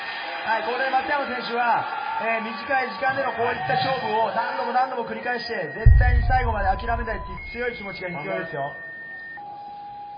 これで松山選手は短い時間での、こういった勝負を何度も繰り返して、絶対に最後まで諦めない強い気持ちが必要ですよ。